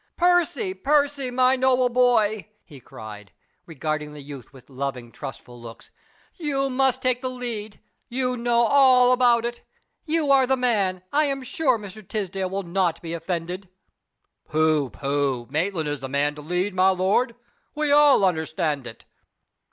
"Percy! Percy! My noble boy!" he cried, regarding the youth with loving trustful looks, "you must take the lead. You know all about it. You are the man. I am sure Mr. Tisdale will not be offended." "Pooh! pooh! Maitland is the man to lead, my lord. We all understand it."